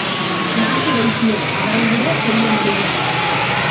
நாட்டு வைத்தியர் அவரைவிட பெரிய மனிதர்.